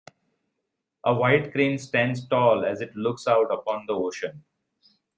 A white crane stands tall as it looks out upon the ocean.